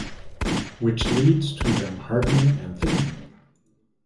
Which leads to them hardening and thickening.